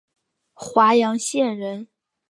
华阳县人。